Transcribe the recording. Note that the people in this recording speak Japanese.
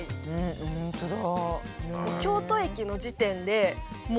本当だ。